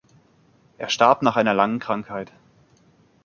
Er starb nach einer langen Krankheit.